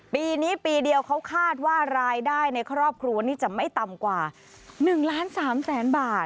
ปีนี้ปีเดียวเขาคาดว่ารายได้ในครอบครูจะไม่ต่ำกว่า๑๓๐๐๐๐๐บาท